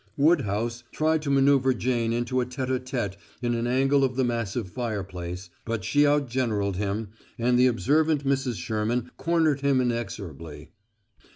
Woodhouse tried to maneuver Jane into a tête à tête in an angle of the massive fireplace, but she outgeneraled him, and the observant Mrs. Sherman cornered him inexorably.